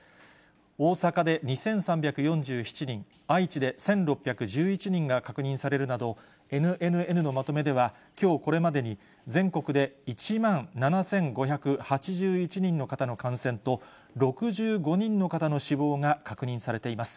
大阪で２３４７人、愛知で１６１１人が確認されるなど、ＮＮＮのまとめでは、きょうこれまでに全国で１万７５８１人の方の感染と、６５人の方の死亡が確認されています。